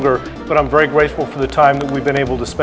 tapi saya sangat berterima kasih untuk waktu yang kita bisa habiskan bersama